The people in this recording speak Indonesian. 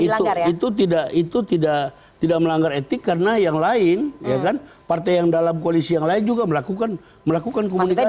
itu tidak itu tidak itu tidak itu tidak melanggar etik karena yang lain ya kan partai yang dalam koalisi yang lain juga melakukan melakukan komunikasi